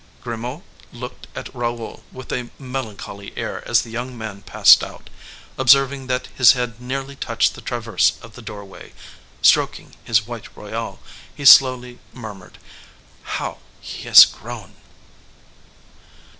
Grimaud looked at Raoul with a melancholy air as the young man passed out; observing that his head nearly touched the traverse of the doorway, stroking his white royale, he slowly murmured:—"How he has grown!"